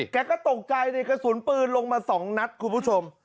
แกก็ตกใจในกระสุนปืนลงมา๒นัดคุณผู้ชม